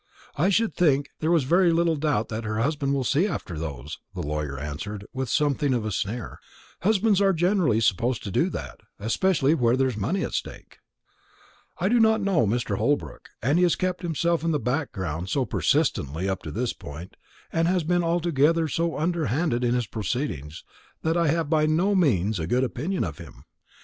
"I should think there was very little doubt that her husband will see after those," the lawyer answered, with something of a sneer; "husbands are generally supposed to do that, especially where there is money at stake." "I do not know Mr. Holbrook; and he has kept himself in the background so persistently up to this point, and has been altogether so underhanded in his proceedings, that I have by no means a good opinion of him. Mr.